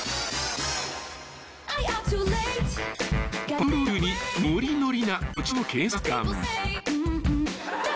パトロール中にノリノリなこちらの警察官。